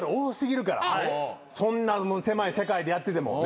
そんな狭い世界でやってても。